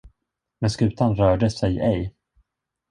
Men skutan rörde sig ej.